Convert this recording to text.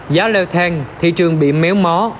giá leo thang thị trường bị méo mó